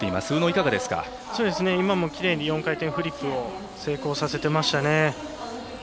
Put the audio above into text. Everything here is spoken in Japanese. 今もきれいに４回転フリップを成功させていましたね。